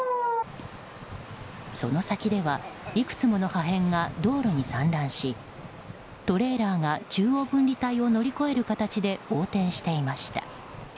その先ではいくつもの破片が道路に散乱しトレーラーが中央分離帯を乗り越える形で横転していました。